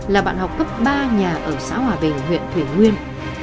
là bạn học cấp ba nhà ở xã hòa bình huyện thủy nguyên